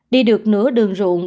đi được nửa đường ruộng